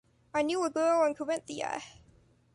I knew a girl in Carinthia.